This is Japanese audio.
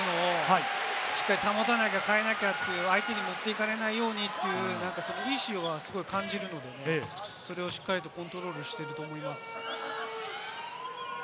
なんとかリズムをというのをしっかり保たなきゃ、変えなきゃって相手に持っていかれないようにという意思を感じるので、それをしっかりとコントロールしていると思います。